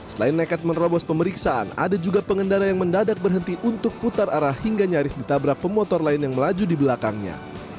selain nekat menerobos pemeriksaan ada juga pengendara yang mendadak berhenti untuk putar arah hingga nyaris ditabrak pemotor lain yang melaju di belakangnya